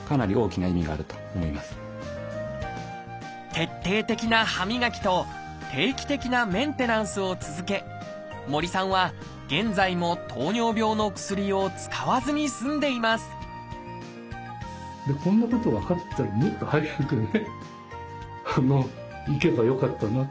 徹底的な歯磨きと定期的なメンテナンスを続け森さんは現在も糖尿病の薬を使わずに済んでいますというふうに本当感謝感謝ですね。